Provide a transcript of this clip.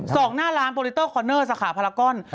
ส่องหน้าร้านโปรเตโต้คอร์เนอร์สาขาพลาก้อน